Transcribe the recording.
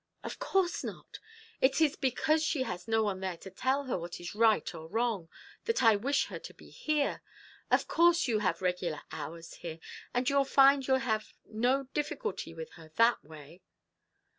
"Of course not; it is because she has no one there to tell her what is right or wrong that I wish her to be here. Of course you have regular hours here, and you'll find you'll have no difficulty with her that way."